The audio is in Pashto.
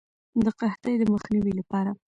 د قحطۍ د مخنیوي لپاره.